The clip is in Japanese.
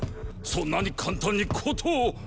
そんなに簡単に事を！